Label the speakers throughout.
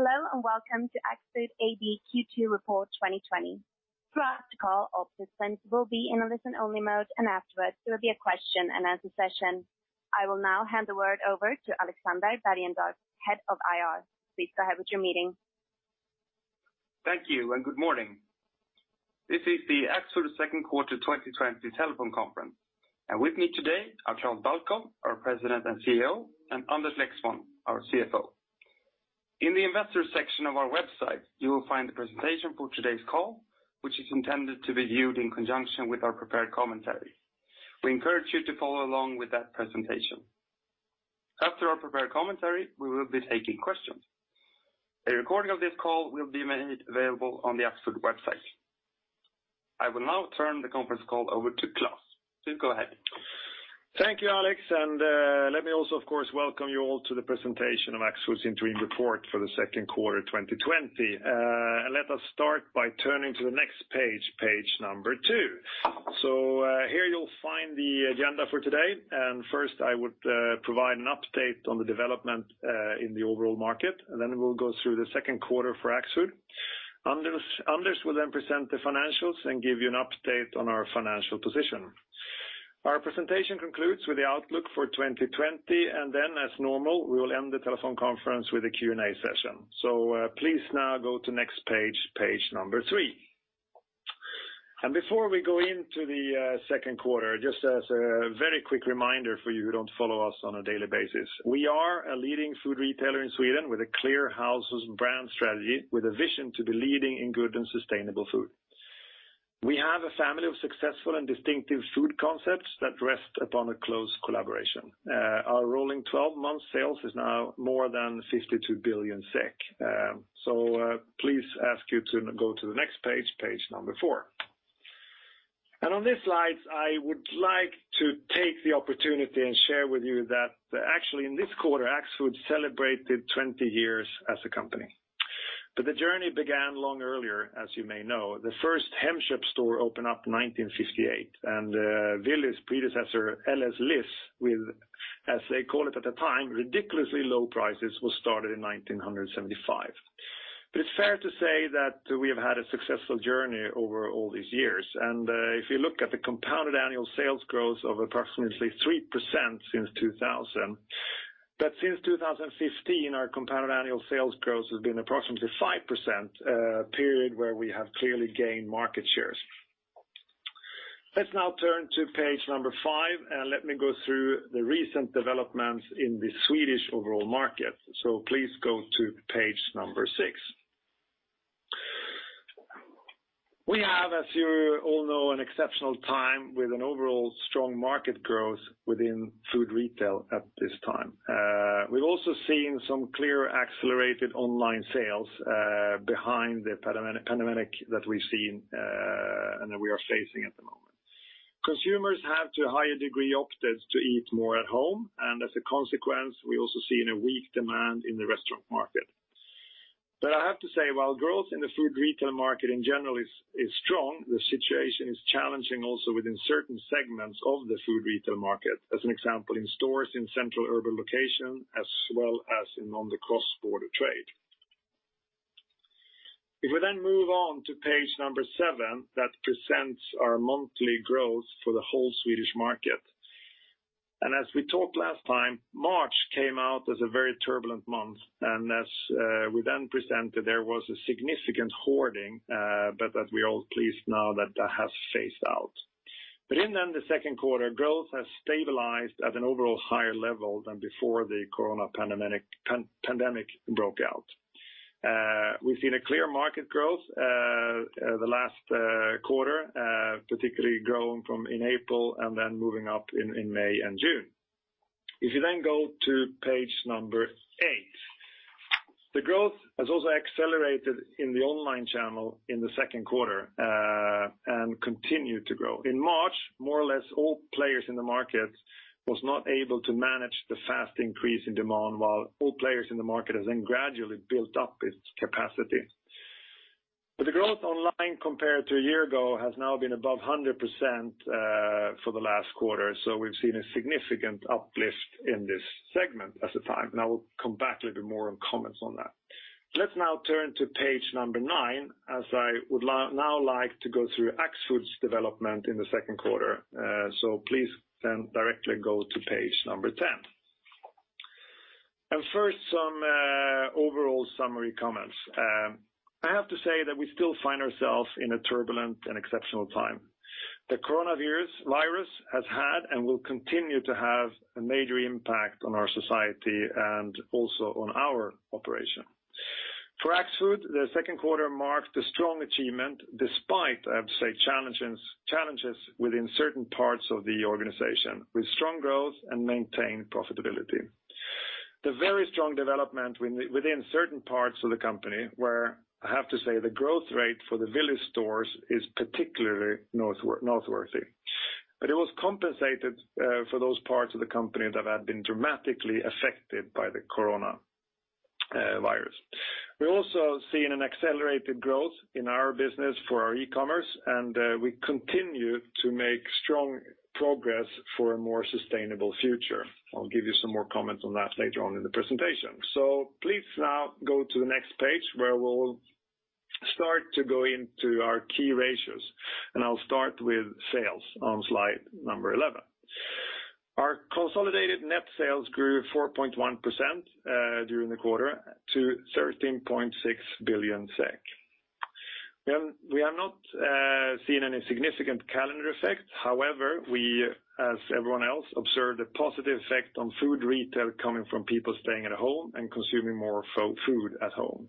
Speaker 1: Hello and welcome to Axfood AB Q2 Report 2020. Throughout the call, all participants will be in a listen-only mode, and afterwards there will be a question and answer session. I will now hand the word over to Alexander Bergendorf, Head of IR. Please go ahead with your meeting.
Speaker 2: Thank you and good morning. This is the Axfood second quarter 2020 telephone conference. With me today are Klas Balkow, our President and CEO, and Anders Lexmon, our CFO. In the investor section of our website, you will find the presentation for today's call, which is intended to be viewed in conjunction with our prepared commentary. We encourage you to follow along with that presentation. After our prepared commentary, we will be taking questions. A recording of this call will be made available on the Axfood website. I will now turn the conference call over to Klas. Please go ahead.
Speaker 3: Thank you, Alex. Let me also, of course, welcome you all to the presentation of Axfood's interim report for the second quarter 2020. Let us start by turning to the next page number two. Here you'll find the agenda for today. First I would provide an update on the development in the overall market, and then we'll go through the second quarter for Axfood. Anders will then present the financials and give you an update on our financial position. Our presentation concludes with the outlook for 2020, and then as normal, we will end the telephone conference with a Q&A session. Please now go to next page number three. Before we go into the second quarter, just as a very quick reminder for you who don't follow us on a daily basis, we are a leading food retailer in Sweden with a clear house and brand strategy, with a vision to be leading in good and sustainable food. We have a family of successful and distinctive food concepts that rest upon a close collaboration. Our rolling 12-month sales is now more than 52 billion SEK. Please I ask you to go to the next page number four. On this slide, I would like to take the opportunity and share with you that actually in this quarter, Axfood celebrated 20 years as a company. The journey began long earlier, as you may know. The first Hemköp store opened up 1958, and Willys predecessor, LL:s Livs, with, as they call it at the time, ridiculously low prices, was started in 1975. It's fair to say that we have had a successful journey over all these years. If you look at the compounded annual sales growth of approximately 3% since 2000, but since 2015, our compounded annual sales growth has been approximately 5%, a period where we have clearly gained market shares. Let's now turn to page five, and let me go through the recent developments in the Swedish overall market. Please go to page six. We have, as you all know, an exceptional time with an overall strong market growth within food retail at this time. We've also seen some clear accelerated online sales behind the pandemic that we've seen and that we are facing at the moment. Consumers have, to a higher degree, opted to eat more at home, and as a consequence, we also see in a weak demand in the restaurant market. I have to say, while growth in the food retail market in general is strong, the situation is challenging also within certain segments of the food retail market, as an example, in stores in central urban locations as well as on the cross-border trade. If we then move on to page number seven, that presents our monthly growth for the whole Swedish market. As we talked last time, March came out as a very turbulent month, and as we then presented, there was a significant hoarding, but that we're all pleased now that has phased out. In then the second quarter, growth has stabilized at an overall higher level than before the corona pandemic broke out. We've seen a clear market growth the last quarter particularly growing from in April and then moving up in May and June. If you go to page number eight. The growth has also accelerated in the online channel in the second quarter and continued to grow. In March, more or less all players in the market was not able to manage the fast increase in demand, while all players in the market has then gradually built up its capacity. The growth online compared to a year ago has now been above 100% for the last quarter. We've seen a significant uplift in this segment as of time, and I will come back with a bit more comments on that. Let's now turn to page number nine, as I would now like to go through Axfood's development in the second quarter. Please then directly go to page number 10. First some overall summary comments. I have to say that we still find ourselves in a turbulent and exceptional time. The Coronavirus has had and will continue to have a major impact on our society and also on our operation. For Axfood, the second quarter marked a strong achievement despite, I have to say, challenges within certain parts of the organization, with strong growth and maintained profitability. The very strong development within certain parts of the company where I have to say the growth rate for the Willys stores is particularly noteworthy. It was compensated for those parts of the company that had been dramatically affected by the Coronavirus. We're also seeing an accelerated growth in our business for our e-commerce, and we continue to make strong progress for a more sustainable future. I'll give you some more comments on that later on in the presentation. Please now go to the next page where we'll start to go into our key ratios, and I'll start with sales on slide number 11. Our consolidated net sales grew 4.1% during the quarter to 13.6 billion SEK. We have not seen any significant calendar effects, however, we, as everyone else, observed a positive effect on food retail coming from people staying at home and consuming more food at home.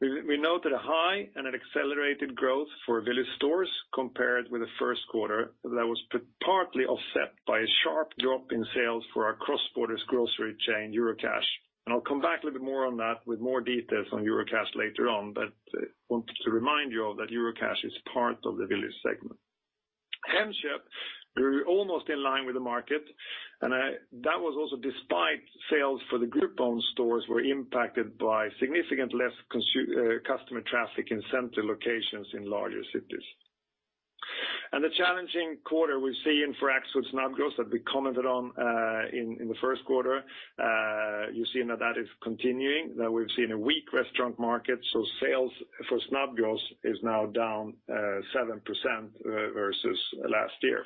Speaker 3: We noted a high and an accelerated growth for Willys Stores compared with the first quarter that was partly offset by a sharp drop in sales for our cross-border grocery chain, Eurocash. I'll come back a little bit more on that with more details on Eurocash later on, but wanted to remind you all that Eurocash is part of the Willys segment. Hemköp grew almost in line with the market, that was also despite sales for the group-owned stores were impacted by significant less customer traffic in central locations in larger cities. The challenging quarter we see in for Axfood Snabbgross that we commented on in the first quarter, you're seeing that is continuing, that we've seen a weak restaurant market, so sales for Snabbgross is now down 7% versus last year.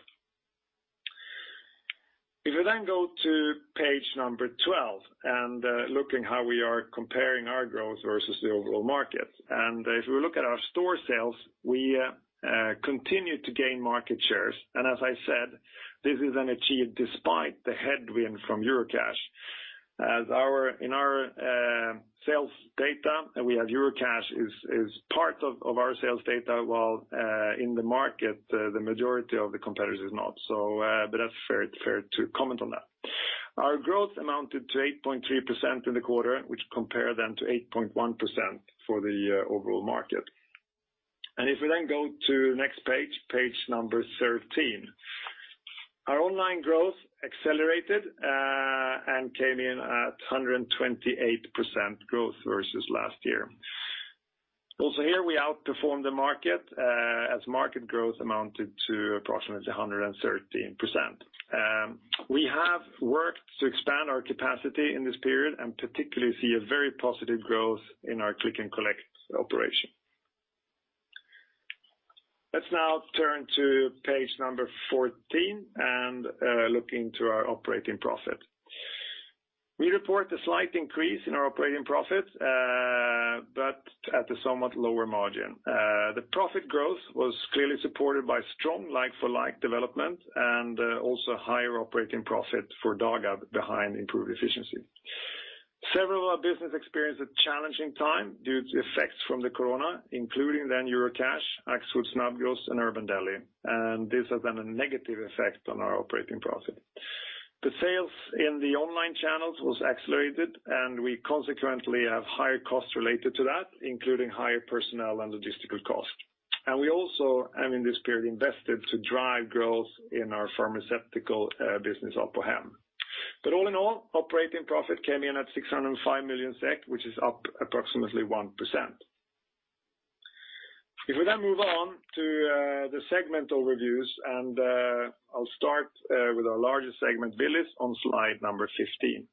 Speaker 3: If we then go to page number 12 and looking how we are comparing our growth versus the overall market. If we look at our store sales, we continue to gain market shares. As I said, this is then achieved despite the headwind from Eurocash. As in our sales data, we have Eurocash is part of our sales data, while in the market, the majority of the competitors is not. That's fair to comment on that. Our growth amounted to 8.3% in the quarter, which compare then to 8.1% for the overall market. If we then go to next page, page number 13. Our online growth accelerated and came in at 128% growth versus last year. Also here, we outperformed the market as market growth amounted to approximately 113%. We have worked to expand our capacity in this period and particularly see a very positive growth in our click and collect operation. Let's now turn to page number 14 and look into our operating profit. We report a slight increase in our operating profit, but at a somewhat lower margin. The profit growth was clearly supported by strong like-for-like development and also higher operating profit for Dagab behind improved efficiency. Several of our businesses experienced a challenging time due to effects from the Corona, including Eurocash, Axfood Snabbgross, and Urban Deli. This has been a negative effect on our operating profit. Sales in the online channels were accelerated. We consequently have higher costs related to that, including higher personnel and logistical costs. We also have in this period invested to drive growth in our pharmaceutical business, Apohem. All in all, operating profit came in at 605 million SEK, which is up approximately 1%. If we move on to the segmental reviews, I'll start with our largest segment, Willys, on slide 15.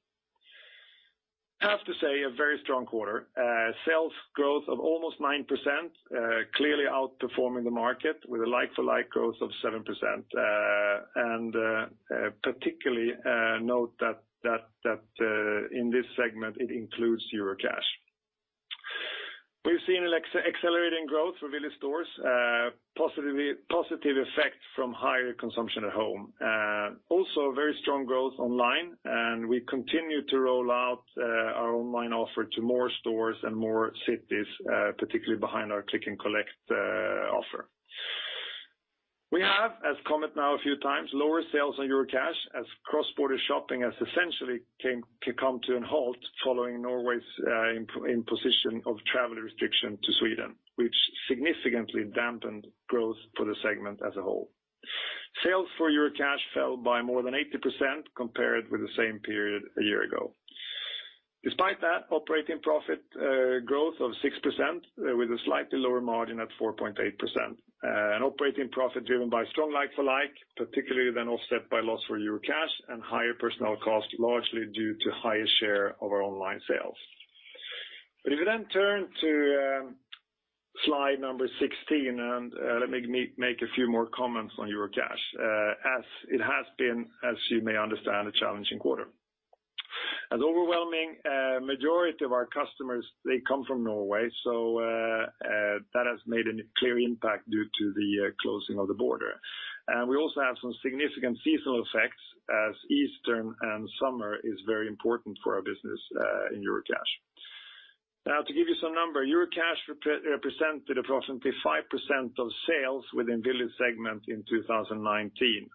Speaker 3: Have to say, a very strong quarter. Sales growth of almost 9%, clearly outperforming the market with a like-for-like growth of 7%. Particularly note that in this segment, it includes Eurocash. We've seen accelerating growth for Willys Stores, positive effect from higher consumption at home. A very strong growth online, and we continue to roll out our online offer to more stores and more cities, particularly behind our click and collect offer. We have, as comment now a few times, lower sales on Eurocash as cross-border shopping has essentially come to a halt following Norway's imposition of travel restriction to Sweden, which significantly dampened growth for the segment as a whole. Sales for Eurocash fell by more than 80% compared with the same period a year ago. Despite that, operating profit growth of 6% with a slightly lower margin at 4.8%. Operating profit driven by strong like-for-like, particularly then offset by loss for Eurocash and higher personnel costs, largely due to higher share of our online sales. If you turn to slide number 16, and let me make a few more comments on Eurocash. It has been, as you may understand, a challenging quarter. Overwhelming majority of our customers, they come from Norway, so that has made a clear impact due to the closing of the border. We also have some significant seasonal effects as Easter and summer is very important for our business in Eurocash. To give you some numbers, Eurocash represented approximately 5% of sales within Willys segment in 2019.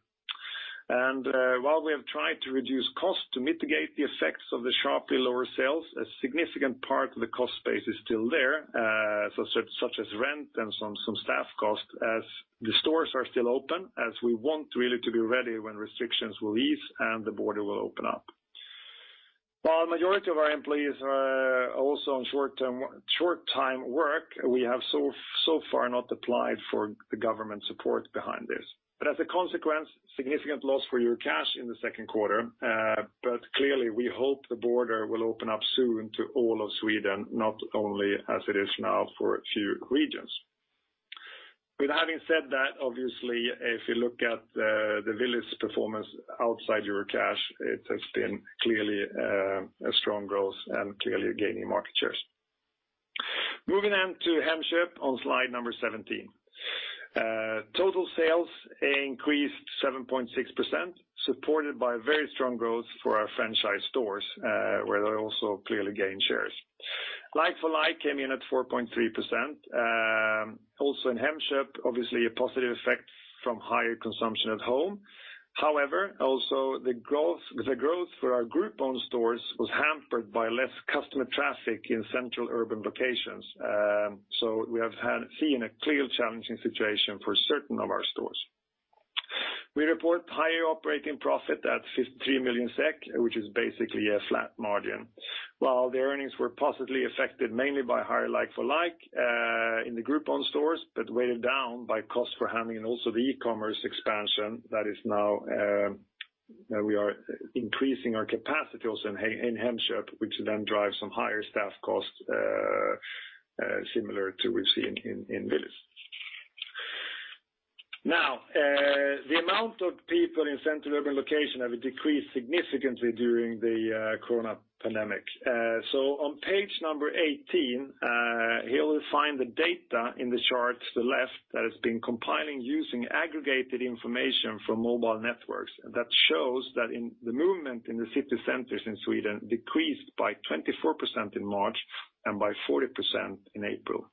Speaker 3: While we have tried to reduce costs to mitigate the effects of the sharply lower sales, a significant part of the cost base is still there, such as rent and some staff costs as the stores are still open, as we want really to be ready when restrictions will ease and the border will open up. While majority of our employees are also on short-time work, we have so far not applied for the government support behind this. As a consequence, significant loss for Eurocash in the second quarter. Clearly we hope the border will open up soon to all of Sweden, not only as it is now for a few regions. With having said that, obviously, if you look at the Willys' performance outside Eurocash, it has been clearly a strong growth and clearly gaining market shares. Moving on to Hemköp on slide number 17. Total sales increased 7.6%, supported by very strong growth for our franchise stores, where they also clearly gain shares. Like-for-like came in at 4.3%. In Hemköp, obviously a positive effect from higher consumption at home. Also the growth for our group-owned stores was hampered by less customer traffic in central urban locations. We have seen a clear challenging situation for certain of our stores. We report higher operating profit at 53 million SEK, which is basically a flat margin. While the earnings were positively affected mainly by higher like-for-like, in the group-owned stores, but weighted down by cost for handling and also the e-commerce expansion. We are increasing our capacities in Hemköp, which then drives some higher staff costs similar to we've seen in Willys. The amount of people in central urban location have decreased significantly during the Corona pandemic. On page number 18, here we find the data in the charts to the left that has been compiling using aggregated information from mobile networks. That shows that in the movement in the city centers in Sweden decreased by 24% in March and by 40% in April.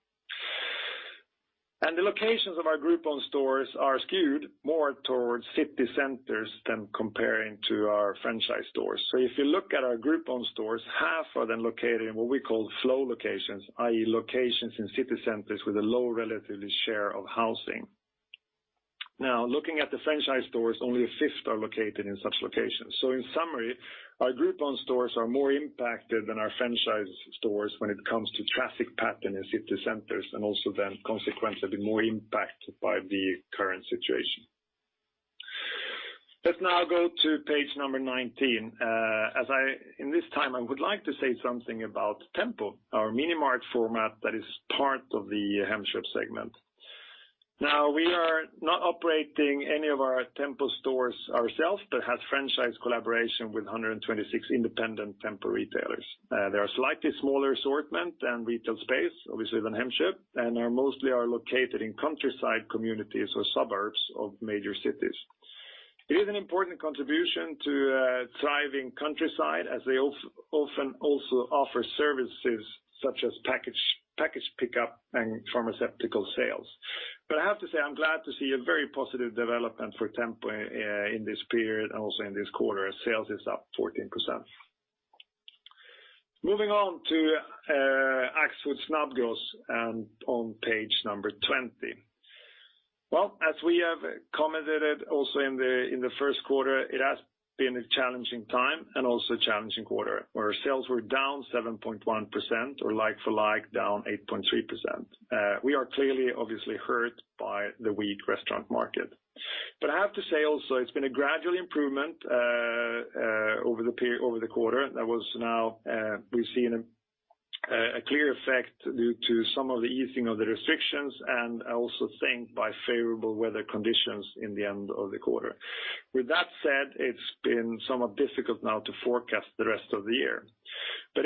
Speaker 3: The locations of our group-owned stores are skewed more towards city centers than comparing to our franchise stores. If you look at our group-owned stores, half are then located in what we call flow locations, i.e. locations in city centers with a low relative share of housing. Looking at the franchise stores, only a fifth are located in such locations. In summary, our group-owned stores are more impacted than our franchise stores when it comes to traffic pattern in city centers and also then consequently more impacted by the current situation. Let's now go to page number 19. In this time, I would like to say something about Tempo, our mini-mart format that is part of the Hemköp segment. We are not operating any of our Tempo stores ourselves but has franchise collaboration with 126 independent Tempo retailers. They are slightly smaller assortment and retail space, obviously, than Hemköp, and are mostly are located in countryside communities or suburbs of major cities. It is an important contribution to thriving countryside, as they often also offer services such as package pickup and pharmaceutical sales. I have to say, I'm glad to see a very positive development for Tempo in this period and also in this quarter. Sales is up 14%. Moving on to Axfood Snabbgross and on page number 20. Well, as we have commented also in the first quarter, it has been a challenging time and also a challenging quarter where our sales were down 7.1% or like-for-like, down 8.3%. We are clearly obviously hurt by the weak restaurant market. I have to say also, it's been a gradual improvement over the quarter that was now, we've seen a clear effect due to some of the easing of the restrictions and also think by favorable weather conditions in the end of the quarter. With that said, it's been somewhat difficult now to forecast the rest of the year.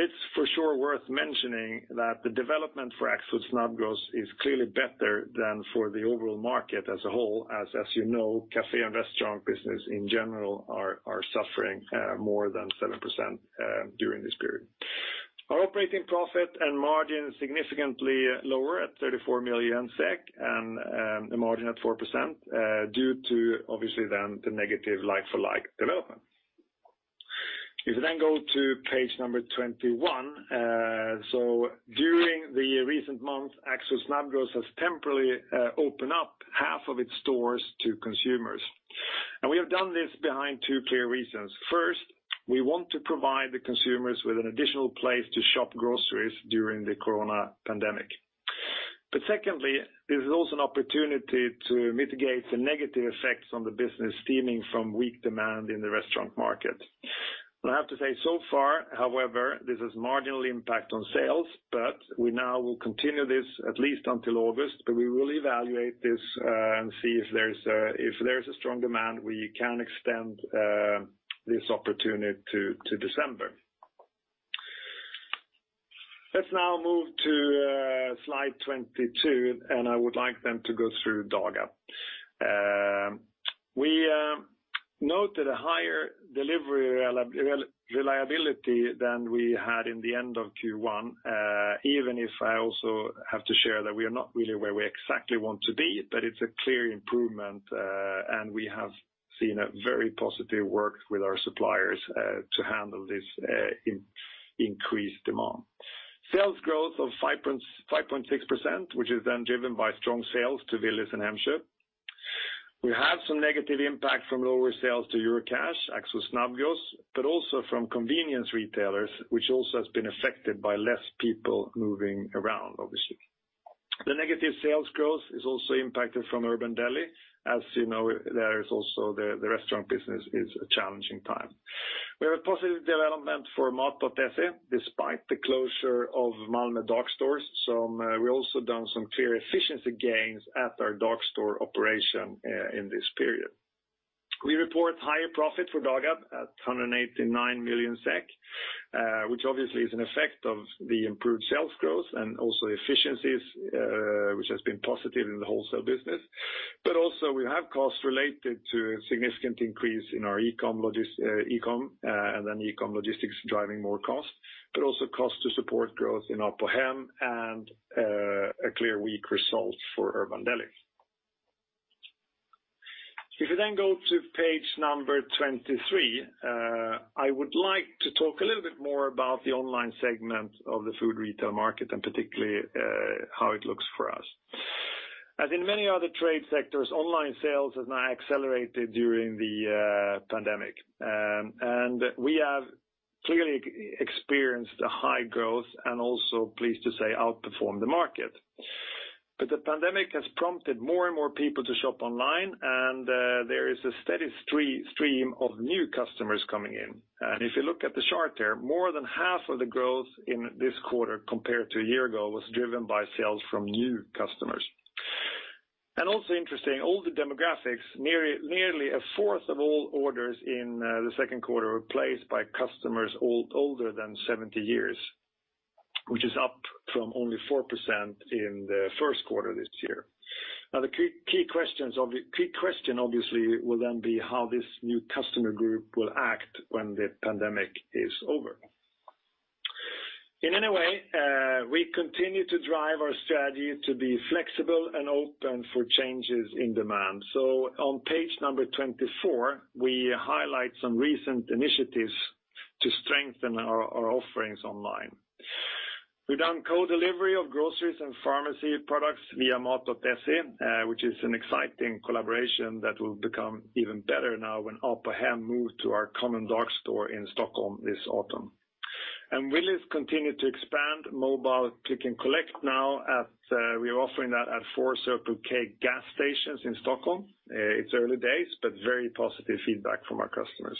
Speaker 3: It's for sure worth mentioning that the development for Axfood Snabbgross is clearly better than for the overall market as a whole. As you know, café and restaurant business in general are suffering more than 7% during this period. Our operating profit and margin significantly lower at 34 million SEK and the margin at 4% due to obviously then the negative like-for-like development. If you then go to page number 21. During the recent months, Axfood Snabbgross has temporarily opened up half of its stores to consumers. We have done this behind two clear reasons. First, we want to provide the consumers with an additional place to shop groceries during the corona pandemic. Secondly, this is also an opportunity to mitigate the negative effects on the business stemming from weak demand in the restaurant market. I have to say so far, however, this has marginal impact on sales. We now will continue this at least until August. We will evaluate this and see if there's a strong demand, we can extend this opportunity to December. Let's now move to slide 22. I would like then to go through Dagab. We noted a higher delivery reliability than we had in the end of Q1, even if I also have to share that we are not really where we exactly want to be, but it's a clear improvement, and we have seen a very positive work with our suppliers to handle this increased demand. Sales growth of 5.6%, which is then driven by strong sales to Willys and Hemköp. We have some negative impact from lower sales to Eurocash, Axfood's Snabbgross, but also from convenience retailers, which also has been affected by less people moving around, obviously. The negative sales growth is also impacted from Urban Deli. As you know, there is also the restaurant business is a challenging time. We have a positive development for Mat.se despite the closure of Malmö dark stores. We've also done some clear efficiency gains at our dark store operation in this period. We report higher profit for Dagab at 189 million SEK, which obviously is an effect of the improved sales growth and also efficiencies, which has been positive in the wholesale business. Also we have costs related to a significant increase in our e-com and then e-com logistics driving more costs, but also costs to support growth in Apohem and a clear weak result for Urban Deli. Go to page number 23, I would like to talk a little bit more about the online segment of the food retail market and particularly how it looks for us. As in many other trade sectors, online sales has now accelerated during the pandemic. We have clearly experienced a high growth and also pleased to say, outperformed the market. The pandemic has prompted more and more people to shop online, and there is a steady stream of new customers coming in. If you look at the chart there, more than half of the growth in this quarter compared to a year ago was driven by sales from new customers. Also interesting, older demographics, nearly a fourth of all orders in the second quarter were placed by customers older than 70 years, which is up from only 4% in the first quarter this year. The key question obviously will then be how this new customer group will act when the pandemic is over. In any way, we continue to drive our strategy to be flexible and open for changes in demand. On page number 24, we highlight some recent initiatives to strengthen our offerings online. We've done co-delivery of groceries and pharmacy products via Mat.se, which is an exciting collaboration that will become even better now when Apohem move to our common dark store in Stockholm this autumn. Willys continue to expand mobile click and collect now, we are offering that at four Circle K gas stations in Stockholm. It's early days, but very positive feedback from our customers.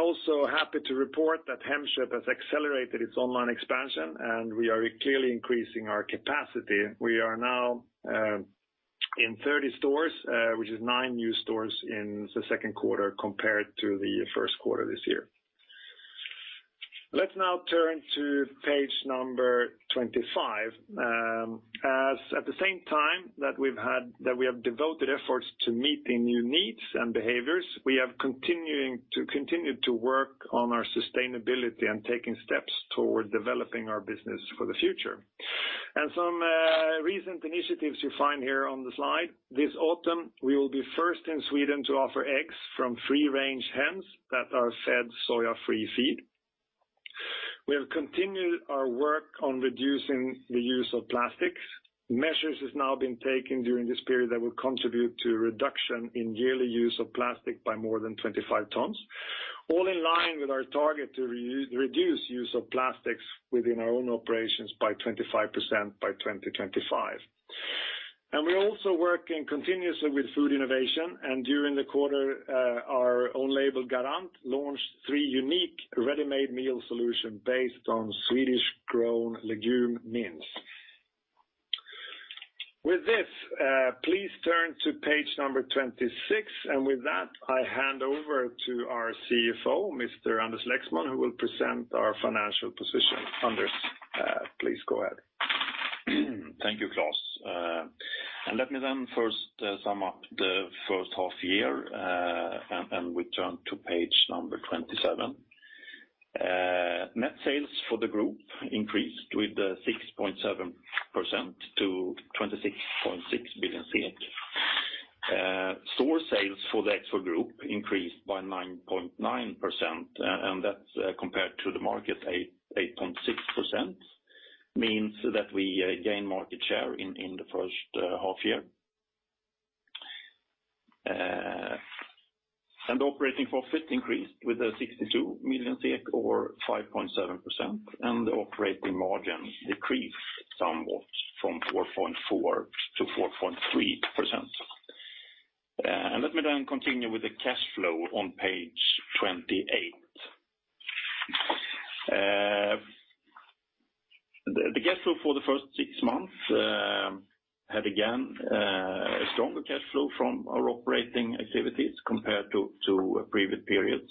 Speaker 3: Also happy to report that Hemköp has accelerated its online expansion, and we are clearly increasing our capacity. We are now in 30 stores, which is nine new stores in the second quarter compared to the first quarter this year. Let's now turn to page number 25. As at the same time that we have devoted efforts to meeting new needs and behaviors, we have continued to work on our sustainability and taking steps toward developing our business for the future. Some recent initiatives you find here on the slide. This autumn, we will be first in Sweden to offer eggs from free-range hens that are fed soya-free feed. We have continued our work on reducing the use of plastics. Measures has now been taken during this period that will contribute to a reduction in yearly use of plastic by more than 25 tons. All in line with our target to reduce use of plastics within our own operations by 25% by 2025. We're also working continuously with food innovation, and during the quarter, our own label, Garant, launched three unique ready-made meal solution based on Swedish-grown legume mince. With this, please turn to page number 26. With that, I hand over to our CFO, Mr. Anders Lexmon, who will present our financial position. Anders, please go ahead.
Speaker 4: Thank you, Klas. Let me then first sum up the first half year, we turn to page number 27. Net sales for the Group increased with 6.7% to 26.6 billion. Store sales for the Axfood Group increased by 9.9%, that's compared to the market, 8.6%. Means that we gain market share in the first half year. Operating profit increased with 62 million or 5.7%, the operating margin decreased somewhat from 4.4%-4.3%. Let me then continue with the cash flow on page 28. The cash flow for the first six months had again a stronger cash flow from our operating activities compared to previous periods.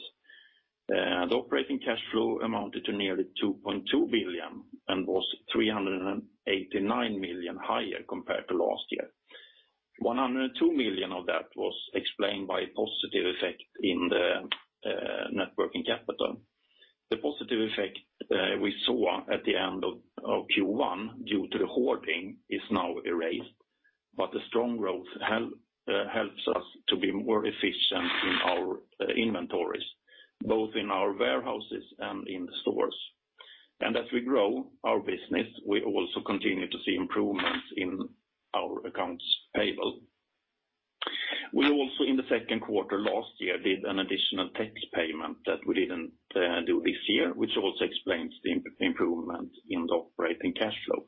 Speaker 4: The operating cash flow amounted to nearly 2.2 billion and was 389 million higher compared to last year. 102 million of that was explained by a positive effect in the net working capital. The positive effect we saw at the end of Q1 due to the hoarding is now erased, but the strong growth helps us to be more efficient in our inventories, both in our warehouses and in the stores. As we grow our business, we also continue to see improvements in our accounts payable. We also, in the second quarter last year, did an additional tax payment that we didn't do this year, which also explains the improvement in the operating cash flow.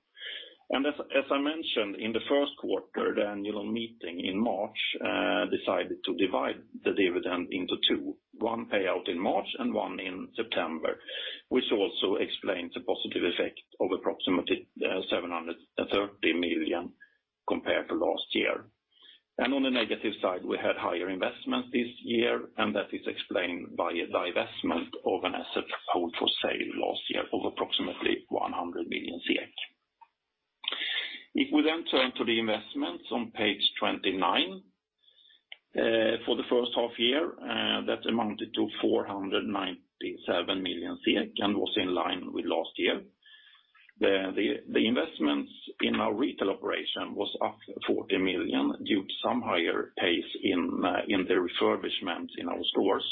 Speaker 4: As I mentioned in the first quarter annual meeting in March, we decided to divide the dividend into two, one payout in March and one in September, which also explains the positive effect of approximately 730 million compared to last year. On the negative side, we had higher investment this year, that is explained by a divestment of an asset hold for sale last year of approximately 100 million. If we turn to the investments on page 29. For the first half year, that amounted to 497 million SEK and was in line with last year. The investments in our retail operation was up 40 million due to some higher pace in the refurbishment in our stores.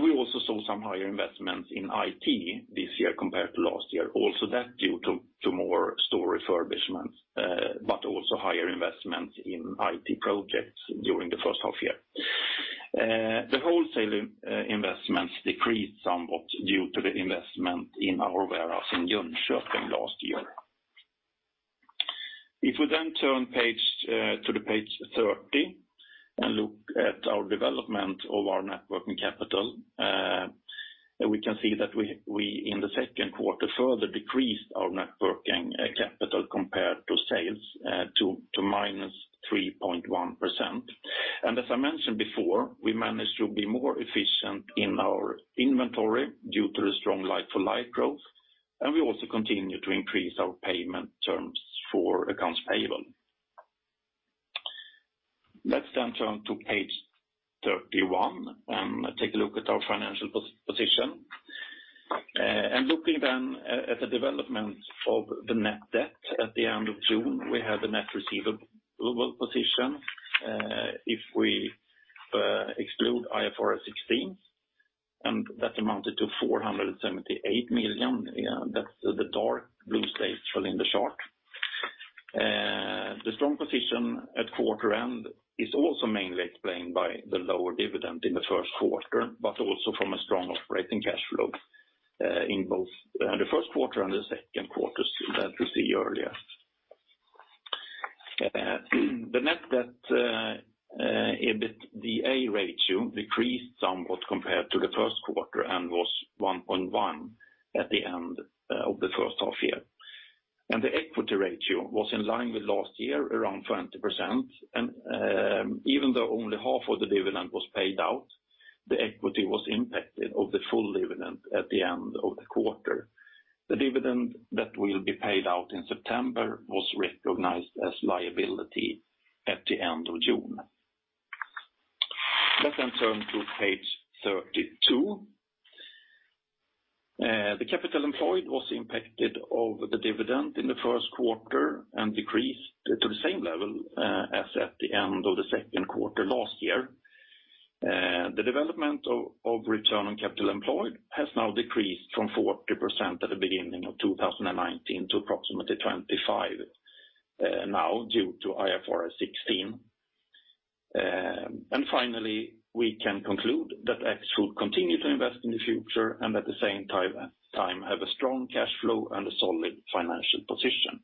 Speaker 4: We also saw some higher investments in IT this year compared to last year. Also that due to more store refurbishment, but also higher investment in IT projects during the first half year. The wholesale investments decreased somewhat due to the investment in our warehouse in Jönköping last year. If we then turn to page 30 and look at our development of our net working capital, we can see that we in the second quarter further decreased our net working capital compared to sales to -3.1%. As I mentioned before, we managed to be more efficient in our inventory due to the strong like-for-like growth, and we also continue to increase our payment terms for accounts payable. Let's then turn to page 31 and take a look at our financial position. Looking then at the development of the net debt at the end of June, we had a net receivable position. If we exclude IFRS 16, and that amounted to 478 million, that's the dark blue slice within the chart. The strong position at quarter end is also mainly explained by the lower dividend in the first quarter, also from a strong operating cash flow in both the first quarter and the second quarters that we see earlier. The net debt, EBITDA ratio decreased somewhat compared to the first quarter and was 1.1 at the end of the first half year. The equity ratio was in line with last year, around 20%, and even though only half of the dividend was paid out, the equity was impacted of the full dividend at the end of the quarter. The dividend that will be paid out in September was recognized as liability at the end of June. Let's turn to page 32. The capital employed was impacted over the dividend in the first quarter and decreased to the same level as at the end of the second quarter last year. The development of return on capital employed has now decreased from 40% at the beginning of 2019 to approximately 25% now due to IFRS 16. Finally, we can conclude that Axfood continue to invest in the future and at the same time have a strong cash flow and a solid financial position.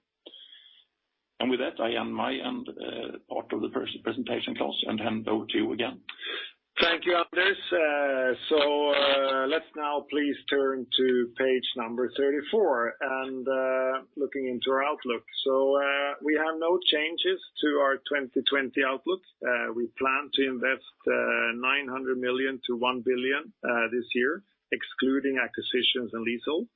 Speaker 4: With that, I end my end part of the presentation, klas, and hand over to you again.
Speaker 3: Thank you, Anders. Let's now please turn to page number34 and looking into our outlook. We have no changes to our 2020 outlook. We plan to invest 900 million-1 billion this year, excluding acquisitions and leases.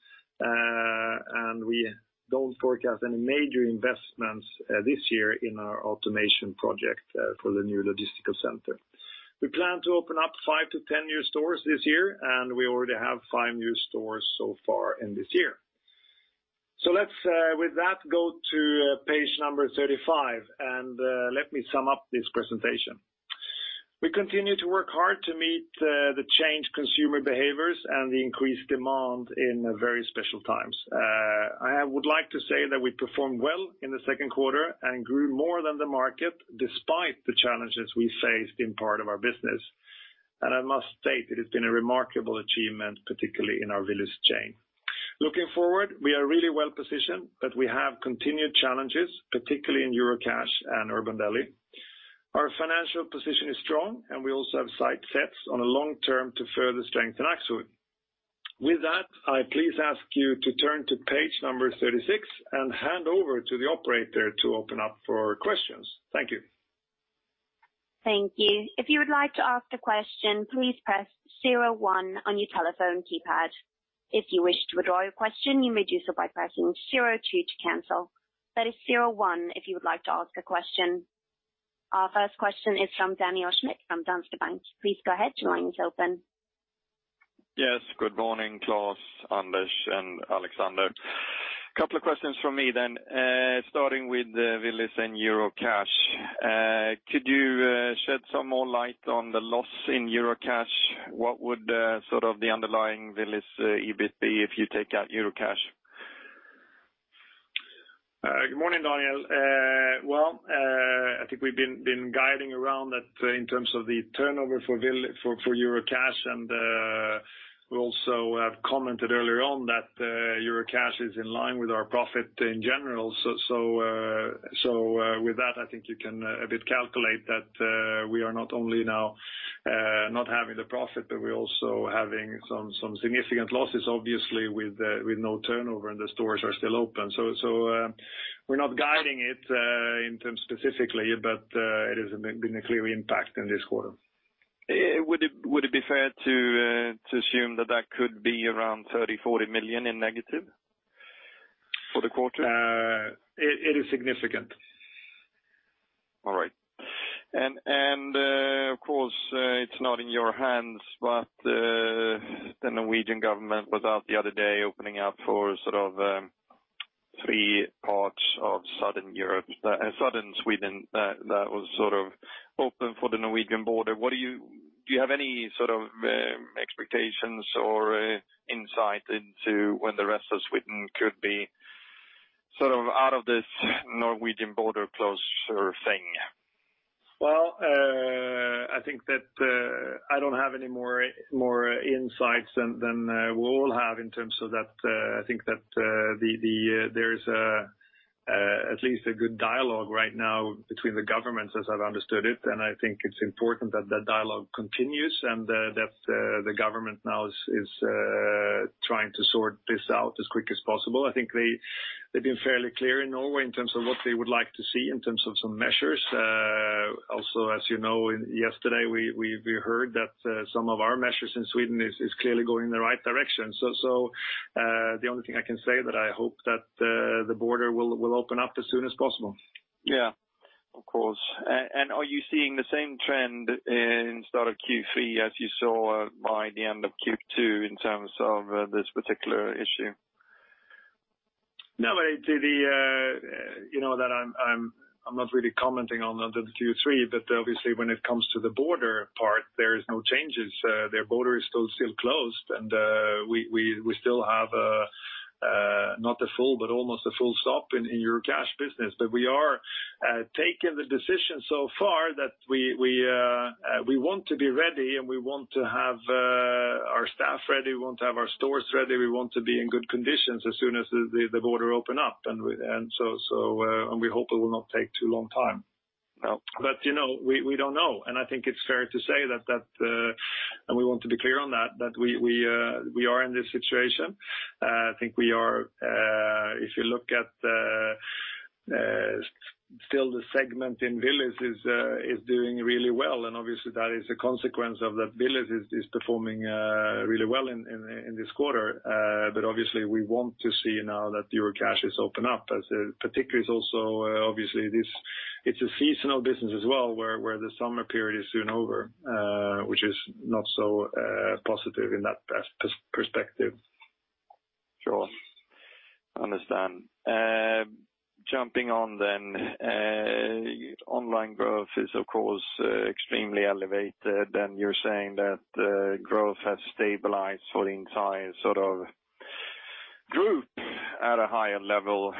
Speaker 3: We don't forecast any major investments this year in our automation project for the new logistical center. We plan to open up 5-10 new stores this year, and we already have five new stores so far in this year. Let's with that, go to page number35, and let me sum up this presentation. We continue to work hard to meet the changed consumer behaviors and the increased demand in very special times. I would like to say that we performed well in the second quarter and grew more than the market despite the challenges we faced in part of our business. I must state it has been a remarkable achievement, particularly in our Willys chain. Looking forward, we are really well-positioned, but we have continued challenges, particularly in Eurocash and Urban Deli. Our financial position is strong, and we also have sight sets on the long term to further strengthen Axfood. With that, I please ask you to turn to page number36 and hand over to the operator to open up for questions. Thank you.
Speaker 1: Thank you. If you would like to ask a question, please press zero one on your telephone keypad. If you wish to withdraw your question, you may do so by pressing zero two to cancel. That is zero one if you would like to ask a question. Our first question is from Daniel Schmidt from Danske Bank. Please go ahead, your line is open.
Speaker 5: Yes. Good morning, Klas, Anders, and Alexander. Couple of questions from me starting with the Willys and Eurocash. Could you shed some more light on the loss in Eurocash? What would the underlying Willys EBIT be if you take out Eurocash?
Speaker 3: Good morning, Daniel. Well, I think we've been guiding around that in terms of the turnover for Eurocash and we also have commented earlier on that Eurocash is in line with our profit in general. With that, I think you can a bit calculate that we are not only now not having the profit, but we're also having some significant losses, obviously, with no turnover and the stores are still open. We're not guiding it in terms specifically, but it has been a clear impact in this quarter.
Speaker 5: Would it be fair to assume that that could be around 30 million-40 million in negative for the quarter?
Speaker 3: It is significant.
Speaker 5: All right. Of course, it's not in your hands, but the Norwegian government was out the other day opening up for three parts of Southern Sweden that was open for the Norwegian border. Do you have any expectations or insight into when the rest of Sweden could be out of this Norwegian border closure thing?
Speaker 3: Well, I think that I don't have any more insights than we all have in terms of that. I think that there's at least a good dialogue right now between the governments as I've understood it, and I think it's important that that dialogue continues and that the government now is trying to sort this out as quick as possible. I think they've been fairly clear in Norway in terms of what they would like to see in terms of some measures. As you know, yesterday, we heard that some of our measures in Sweden is clearly going in the right direction. The only thing I can say that I hope that the border will open up as soon as possible.
Speaker 5: Yeah. Of course. Are you seeing the same trend in start of Q3 as you saw by the end of Q2 in terms of this particular issue?
Speaker 3: No. I'm not really commenting on the Q3, obviously when it comes to the border part, there is no changes. Their border is still closed, we still have a, not a full, but almost a full stop in Eurocash business. We are taking the decision so far that we want to be ready and we want to have our staff ready, we want to have our stores ready, we want to be in good conditions as soon as the border open up. We hope it will not take too long time.
Speaker 5: No.
Speaker 3: We don't know, and I think it's fair to say that, and we want to be clear on that we are in this situation. I think we are, if you look at still the segment in Willys is doing really well, and obviously that is a consequence of that Willys is performing really well in this quarter. Obviously we want to see now that Eurocash is open up as particularly it's also obviously it's a seasonal business as well, where the summer period is soon over, which is not so positive in that perspective.
Speaker 5: Sure. Understand. Jumping on then, online growth is of course extremely elevated, and you're saying that growth has stabilized for the entire group at a higher level.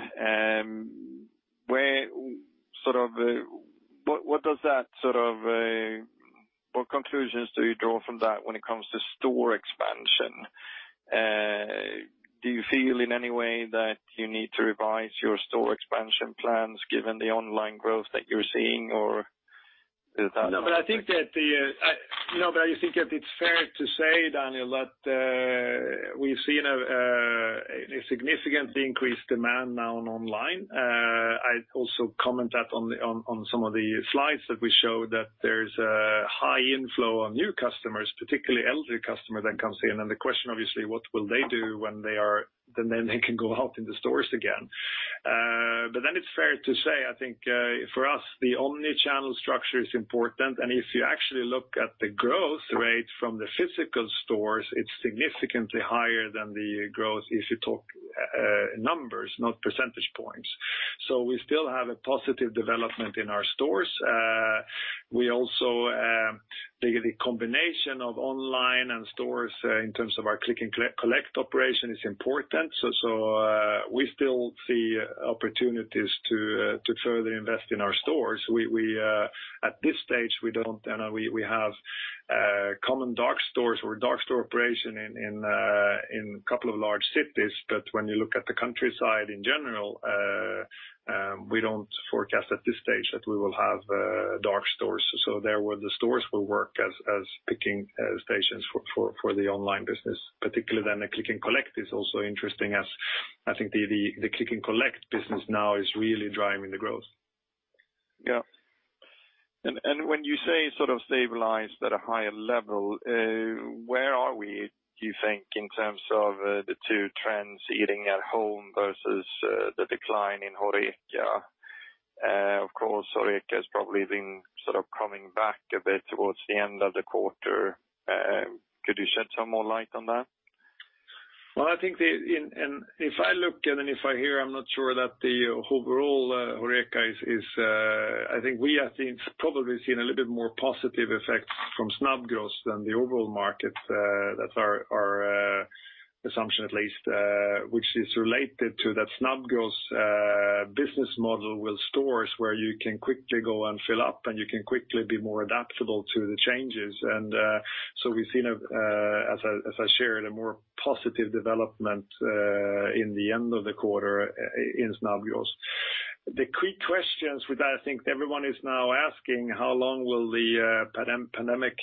Speaker 5: What conclusions do you draw from that when it comes to store expansion? Do you feel in any way that you need to revise your store expansion plans given the online growth that you're seeing?
Speaker 3: I think that it's fair to say, Daniel, that we've seen a significantly increased demand now on online. I also comment that on some of the slides that we showed that there's a high inflow of new customers, particularly elderly customer that comes in. The question obviously, what will they do when they can go out in the stores again? It's fair to say, I think, for us, the omni-channel structure is important, and if you actually look at the growth rate from the physical stores, it's significantly higher than the growth if you talk numbers, not percentage points. We still have a positive development in our stores. The combination of online and stores in terms of our click and collect operation is important. We still see opportunities to further invest in our stores. At this stage, we have common dark stores or dark store operation in couple of large cities. When you look at the countryside in general, we don't forecast at this stage that we will have dark stores. There where the stores will work as picking stations for the online business. Particularly then the click and collect is also interesting as I think the click and collect business now is really driving the growth.
Speaker 5: Yeah. When you say stabilized at a higher level, where are we, do you think, in terms of the two trends, eating at home versus the decline in HORECA? Of course, HORECA has probably been coming back a bit towards the end of the quarter. Could you shed some more light on that?
Speaker 3: Well, I think if I look and if I hear, I'm not sure that the overall HORECA. I think we have probably seen a little bit more positive effects from Snabbgross than the overall market. That's our assumption at least, which is related to that Snabbgross business model with stores where you can quickly go and fill up and you can quickly be more adaptable to the changes. We've seen, as I shared, a more positive development in the end of the quarter in Snabbgross. The quick questions which I think everyone is now asking, how long will the pandemic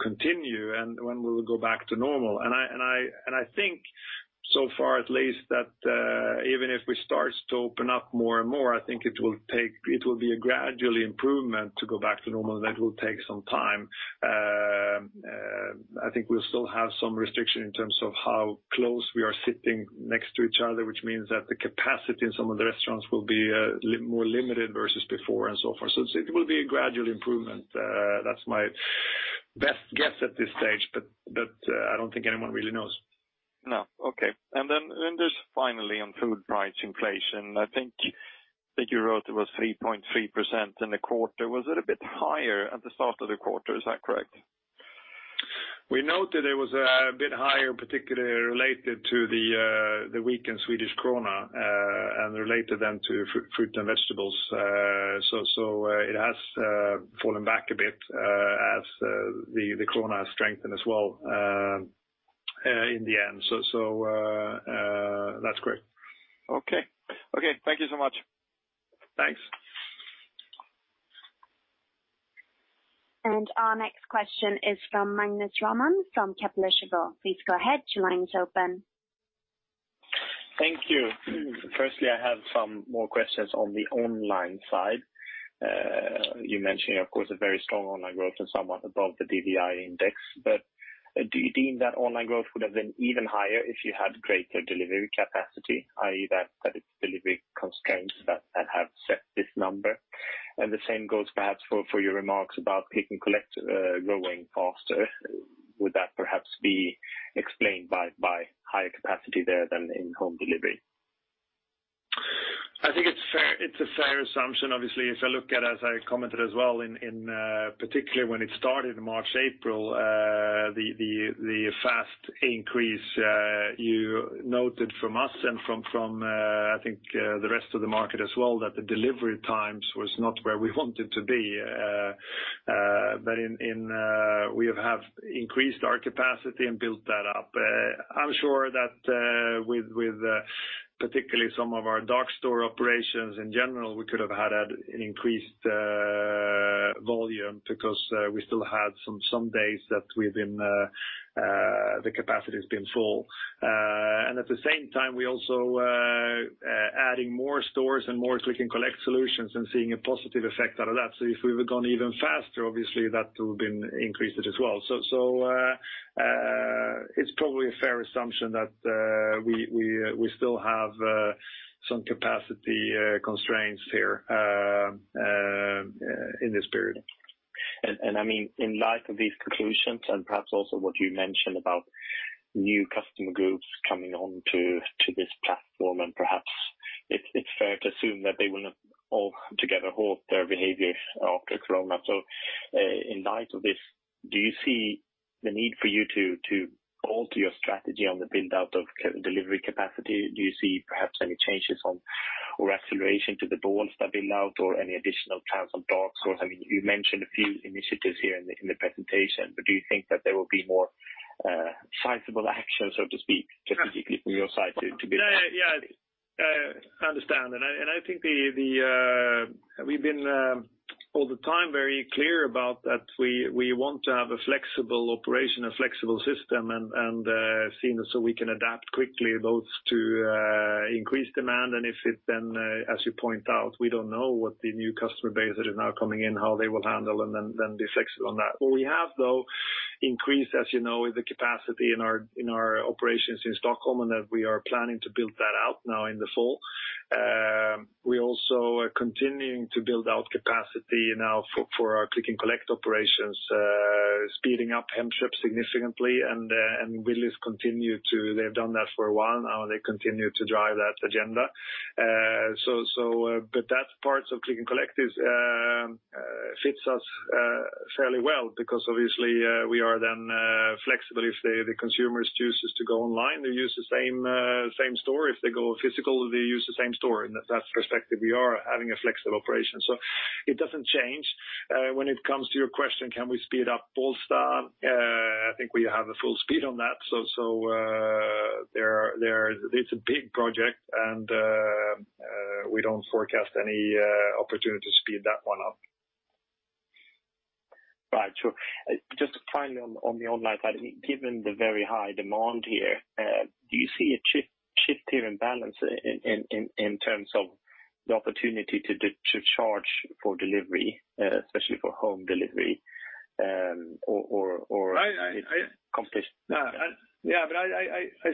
Speaker 3: continue and when will we go back to normal? I think so far at least that even if we start to open up more and more, I think it will be a gradual improvement to go back to normal, that will take some time. I think we'll still have some restriction in terms of how close we are sitting next to each other, which means that the capacity in some of the restaurants will be more limited versus before and so forth. It will be a gradual improvement. That's my best guess at this stage, but I don't think anyone really knows.
Speaker 5: No. Okay. Just finally on food price inflation, I think that you wrote it was 3.3% in the quarter. Was it a bit higher at the start of the quarter? Is that correct?
Speaker 3: We noted it was a bit higher, particularly related to the weakened Swedish krona, and related then to fruit and vegetables. It has fallen back a bit as the krona has strengthened as well in the end. That's correct.
Speaker 5: Okay. Thank you so much.
Speaker 3: Thanks.
Speaker 1: Our next question is from Magnus Råman from Kepler Cheuvreux. Please go ahead, your line is open.
Speaker 6: Thank you. Firstly, I have some more questions on the online side. You mentioned, of course, a very strong online growth and somewhat above the Dagligvaruindex, do you deem that online growth would have been even higher if you had greater delivery capacity, i.e., that it's delivery constraints that have set this number? The same goes perhaps for your remarks about click and collect growing faster. Would that perhaps be explained by higher capacity there than in home delivery?
Speaker 3: I think it's a fair assumption. Obviously, if I look at, as I commented as well in particular when it started in March, April, the fast increase you noted from us and from I think the rest of the market as well, that the delivery times were not where we wanted to be. We have increased our capacity and built that up. I'm sure that with particularly some of our dark store operations in general, we could have had an increased volume because we still had some days that within the capacity had been full. At the same time we also adding more stores and more click and collect solutions and seeing a positive effect out of that. If we've gone even faster, obviously that would've been increased as well. It's probably a fair assumption that we still have some capacity constraints here in this period.
Speaker 6: I mean, in light of these conclusions, and perhaps also what you mentioned about new customer groups coming on to this platform, and perhaps it's fair to assume that they will not altogether halt their behavior after corona. In light of this, do you see the need for you to alter your strategy on the build-out of delivery capacity? Do you see perhaps any changes on or acceleration to the Bålsta build-out or any additional transform dark stores? I mean, you mentioned a few initiatives here in the presentation, but do you think that there will be more sizable actions, so to speak, specifically from your side?
Speaker 3: Yeah, I understand. I think we've been all the time very clear about that we want to have a flexible operation, a flexible system and seeing so we can adapt quickly both to increased demand and if it then, as you point out, we don't know what the new customer base that is now coming in, how they will handle and then be flexible on that. What we have though, increased, as you know, is the capacity in our operations in Stockholm, and that we are planning to build that out now in the fall. We also are continuing to build out capacity now for our click and collect operations, speeding up Hemköp significantly and Willys. They've done that for a while now. They continue to drive that agenda. That part of click and collect fits us fairly well because obviously we are then flexible if the consumers chooses to go online, they use the same store. If they go physical, they use the same store. In that perspective, we are having a flexible operation, so it doesn't change. When it comes to your question, can we speed up Bålsta? I think we have a full speed on that. It's a big project and we don't forecast any opportunity to speed that one up.
Speaker 6: Right. Sure. Just finally on the online side, given the very high demand here, do you see a shift here in balance in terms of the opportunity to charge for delivery, especially for home delivery?
Speaker 3: I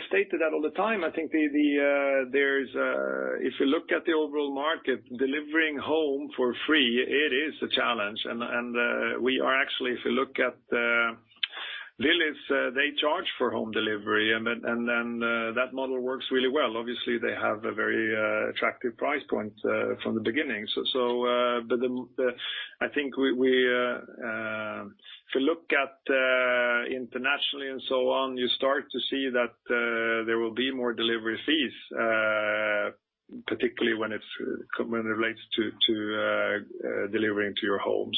Speaker 3: state that all the time. I think if you look at the overall market, delivering home for free, it is a challenge. We are actually, if you look at Willys, they charge for home delivery, and then that model works really well. Obviously, they have a very attractive price point from the beginning. I think if you look internationally and so on, you start to see that there will be more delivery fees, particularly when it relates to delivering to your home.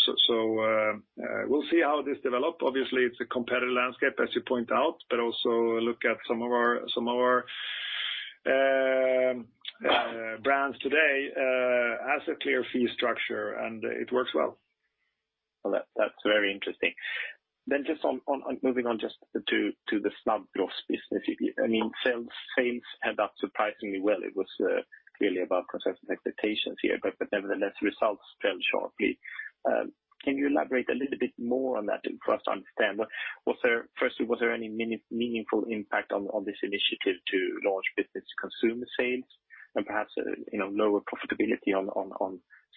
Speaker 3: We'll see how this develops. Obviously, it's a competitive landscape as you point out, but also look at some of our brands today has a clear fee structure and it works well.
Speaker 6: That's very interesting. Just moving on just to the Snabbgross business. Sales add up surprisingly well. It was clearly above consensus expectations here, but nevertheless, results fell sharply. Can you elaborate a little bit more on that for us to understand? Firstly, was there any meaningful impact on this initiative to launch business consumer sales and perhaps lower profitability on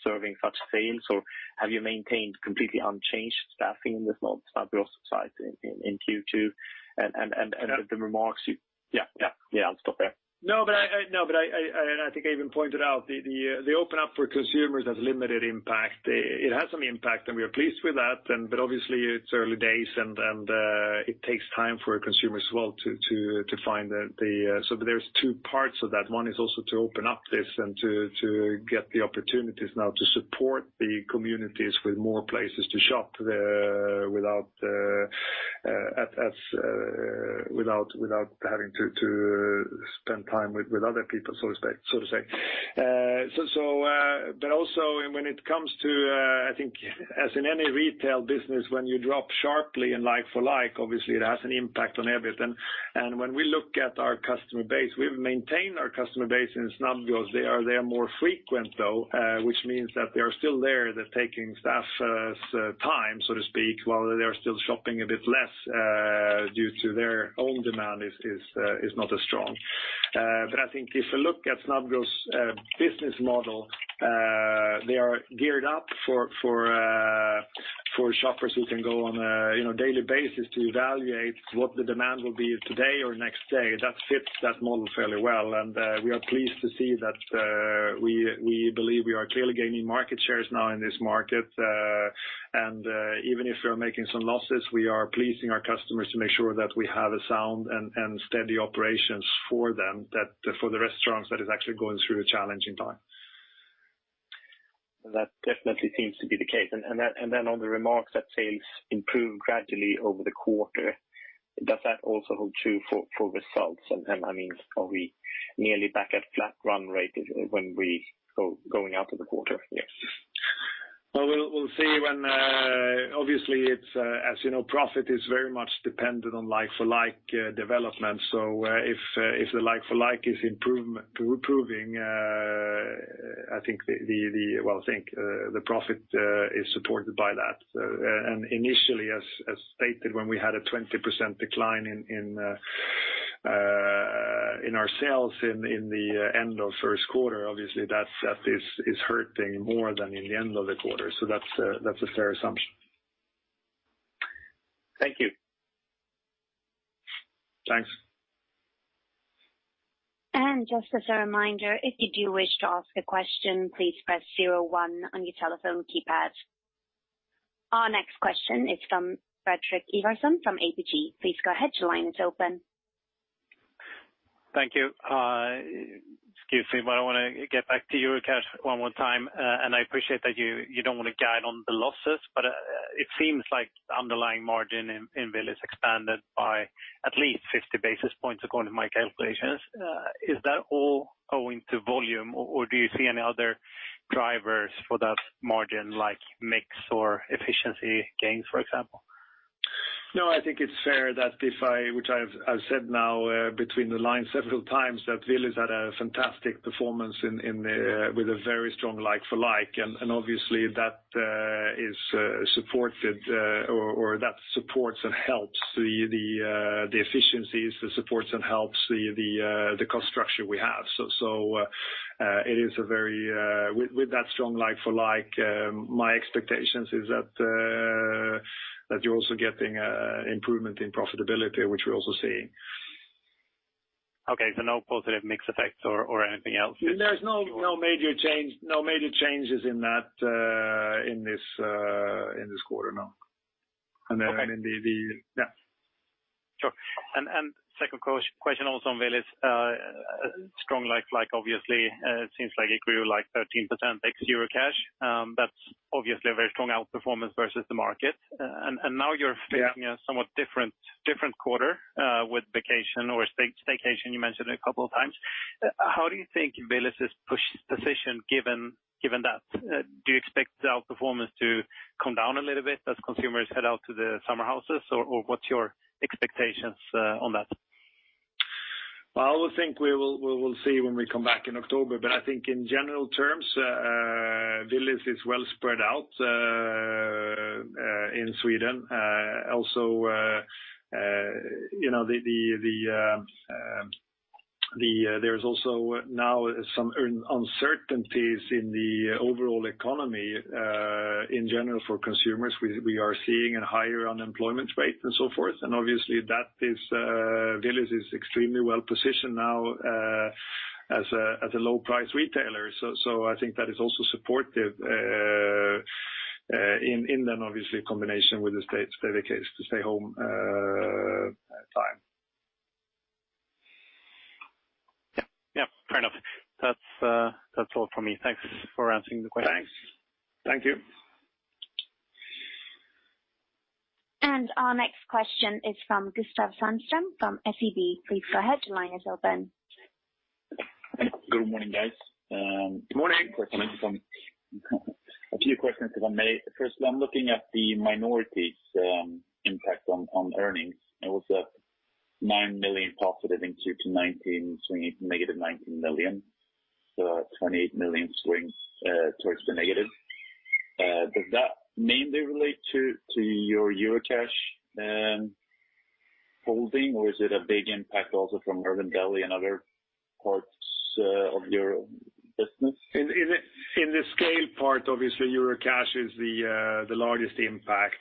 Speaker 6: serving such sales or have you maintained completely unchanged staffing in the Snabbgross side in Q2? I'll stop there.
Speaker 3: I think I even pointed out the open up for consumers has limited impact. It has some impact, and we are pleased with that, but obviously it's early days and it takes time for a consumer as well to find. There's two parts of that. One is also to open up this and to get the opportunities now to support the communities with more places to shop without having to spend time with other people, so to say. Also when it comes to, I think as in any retail business, when you drop sharply in like for like, obviously it has an impact on everything. When we look at our customer base, we've maintained our customer base in Snabbgross. They are more frequent though, which means that they are still there. They're taking staff's time, so to speak, while they're still shopping a bit less, due to their own demand is not as strong. I think if you look at Snabbgross' business model, they are geared up for shoppers who can go on a daily basis to evaluate what the demand will be today or next day. That fits that model fairly well, and we are pleased to see that we believe we are clearly gaining market shares now in this market. Even if we are making some losses, we are pleasing our customers to make sure that we have a sound and steady operations for them, that for the restaurants that is actually going through a challenging time.
Speaker 6: That definitely seems to be the case. Then on the remarks that sales improved gradually over the quarter, does that also hold true for results? Are we nearly back at flat run rate when we go out of the quarter? Yes.
Speaker 3: We'll see when. Obviously, as you know, profit is very much dependent on like for like development. If the like for like is improving, I think the profit is supported by that. Initially, as stated when we had a 20% decline in our sales in the end of first quarter, obviously that is hurting more than in the end of the quarter. That's a fair assumption.
Speaker 6: Thank you.
Speaker 3: Thanks.
Speaker 1: Just as a reminder, if you do wish to ask a question, please press zero one on your telephone keypad. Our next question is from Fredrik Ivarsson from ABG. Please go ahead, your line is open.
Speaker 7: Thank you. Excuse me, I want to get back to Eurocash one more time. I appreciate that you don't want to guide on the losses, it seems like underlying margin in Willys is expanded by at least 50 basis points according to my calculations. Is that all owing to volume or do you see any other drivers for that margin like mix or efficiency gains, for example?
Speaker 3: No, I think it's fair that if I, which I've said now between the lines several times, that Willys has had a fantastic performance with a very strong like for like, and obviously that is supported or that supports and helps the efficiencies, that supports and helps the cost structure we have. With that strong like-for-like, my expectations is that you're also getting improvement in profitability, which we're also seeing.
Speaker 7: Okay. No positive mix effects or anything else?
Speaker 3: There's no major changes in this quarter, no. Yeah.
Speaker 7: Sure. Second question also on Willys. Strong like for like, obviously, it seems like equal like 13% ex Eurocash. That's obviously a very strong outperformance versus the market. Now you're facing a somewhat different quarter, with vacation or staycation you mentioned a couple of times. How do you think Willys is positioned given that? Do you expect the outperformance to come down a little bit as consumers head out to the summer houses? What's your expectations on that?
Speaker 3: Well, I would think we will see when we come back in October. I think in general terms, Willys is well spread out in Sweden. There's also now some uncertainties in the overall economy in general for consumers. We are seeing a higher unemployment rate and so forth, obviously Willys is extremely well-positioned now as a low price retailer. I think that is also supportive in then obviously combination with the dedicated to stay home time.
Speaker 7: Yeah. Fair enough. That's all from me. Thanks for answering the questions.
Speaker 3: Thanks.
Speaker 7: Thank you.
Speaker 1: Our next question is from Gustav Hagéus from SEB. Please go ahead. Your line is open.
Speaker 8: Good morning, guys.
Speaker 3: Good morning.
Speaker 8: A few questions if I may. Firstly, I'm looking at the minorities impact on earnings. It was 9 million positive in Q2 2019, swinging -19 million, so a 28 million swing towards the negative. Does that mainly relate to your Eurocash holding, or is it a big impact also from Urban Deli and other parts of your business?
Speaker 3: In the scale part, obviously Eurocash is the largest impact.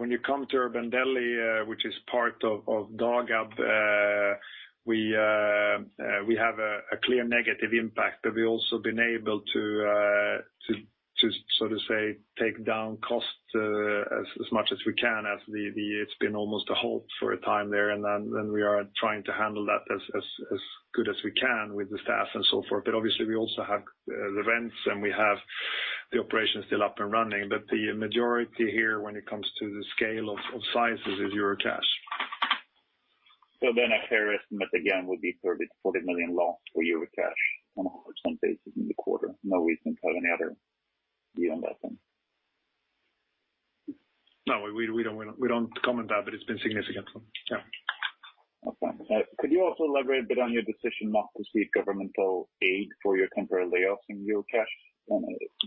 Speaker 3: When you come to Urban Deli, which is part of Dagab, we have a clear negative impact, but we've also been able to so to say, take down costs as much as we can as it's been almost a halt for a time there and then we are trying to handle that as good as we can with the staff and so forth. Obviously we also have the rents and we have the operation still up and running. The majority here when it comes to the scale of sizes is Eurocash.
Speaker 8: A fair estimate again would be 30 million-40 million loss for Eurocash on a constant basis in the quarter, no reason for any other beyond that then?
Speaker 3: No, we don't comment that, but it's been significant. Yeah.
Speaker 8: Okay. Could you also elaborate a bit on your decision not to seek governmental aid for your temporary layoffs in Eurocash?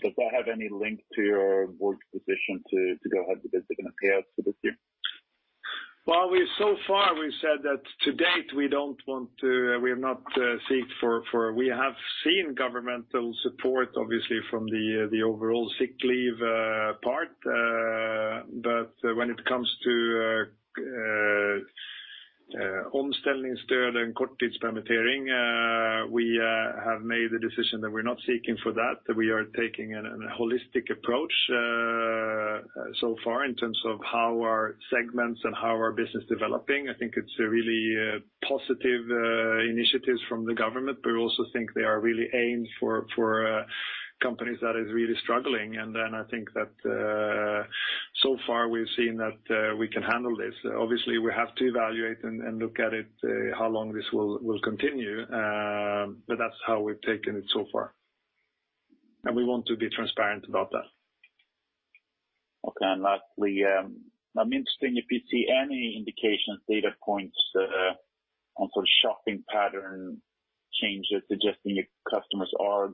Speaker 8: Does that have any link to your board's position to go ahead with the dividend payouts for this year?
Speaker 3: Well, so far we've said that to date We have seen governmental support obviously from the overall sick leave part. When it comes to omställningsstöd and korttidspermittering, we have made the decision that we're not seeking for that we are taking an holistic approach so far in terms of how our segments and how our business developing. I think it's a really positive initiatives from the government, but we also think they are really aimed for companies that is really struggling, and then I think that so far we've seen that we can handle this. Obviously, we have to evaluate and look at it how long this will continue, but that's how we've taken it so far. We want to be transparent about that.
Speaker 8: Okay, lastly, I'm interested if you see any indications, data points on sort of shopping pattern changes suggesting your customers are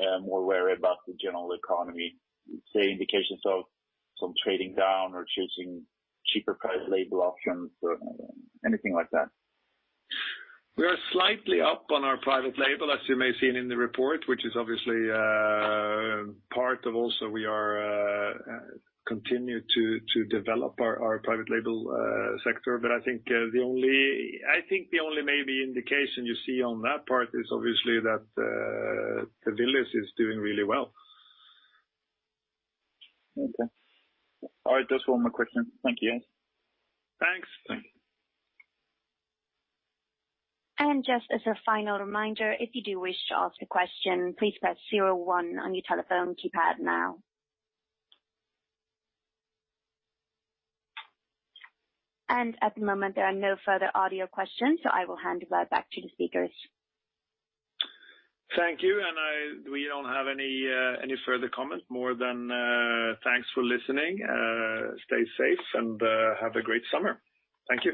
Speaker 8: getting more wary about the general economy, say indications of some trading down or choosing cheaper private label options or anything like that?
Speaker 3: We are slightly up on our private label, as you may seen in the report, which is obviously part of also we are continue to develop our private label sector. I think the only maybe indication you see on that part is obviously that the Willys is doing really well.
Speaker 8: Okay. All right. Those were all my question. Thank you.
Speaker 3: Thanks.
Speaker 8: Thank you.
Speaker 1: Just as a final reminder, if you do wish to ask a question, please press zero one on your telephone keypad now. At the moment, there are no further audio questions, so I will hand it right back to the speakers.
Speaker 3: Thank you. We don't have any further comment more than thanks for listening. Stay safe and have a great summer. Thank you.